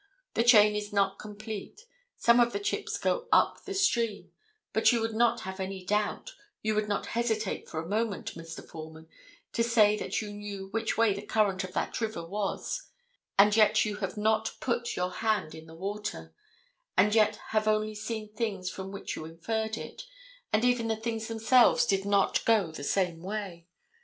The chain is not complete, some of the chips go up the stream; but you would not have any doubt, you would not hesitate for a moment, Mr. Foreman, to say that you knew which way the current of that river was, and yet you have not put your hand in the water, and yet have only seen things from which you inferred it, and even the things themselves did not go the same way.